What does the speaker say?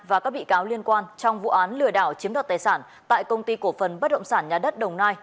và các bị cáo liên quan trong vụ án lừa đảo chiếm đoạt tài sản tại công ty cổ phần bất động sản nhà đất đồng nai